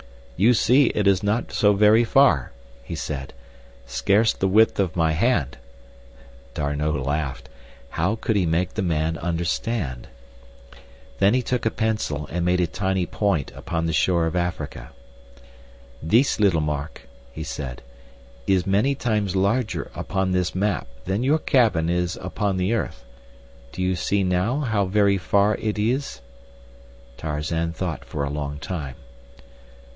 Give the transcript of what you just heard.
"You see it is not so very far," he said; "scarce the width of my hand." D'Arnot laughed. How could he make the man understand? Then he took a pencil and made a tiny point upon the shore of Africa. "This little mark," he said, "is many times larger upon this map than your cabin is upon the earth. Do you see now how very far it is?" Tarzan thought for a long time.